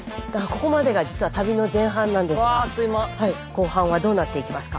後半はどうなっていきますか？